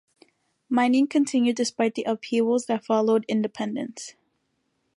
Mining continued despite the upheavals that followed independence.